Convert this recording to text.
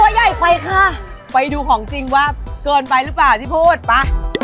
ชั่วใหญ่ไปค่ะไปดูของจริงวะเกินไปรึเปล่าที่พูดปะ